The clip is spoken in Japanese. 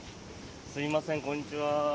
すみません、こんにちは。